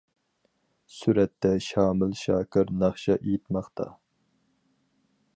سۈرەتتە: شامىل شاكىر ناخشا ئېيتماقتا.